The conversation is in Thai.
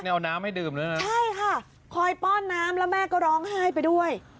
ใช่ค่ะคอยป้อนน้ำแล้วแม่ก็ร้องไห้ไปด้วย